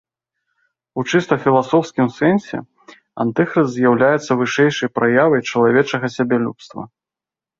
У чыста філасофскім сэнсе антыхрыст з'яўляецца вышэйшай праявай чалавечага сябелюбства.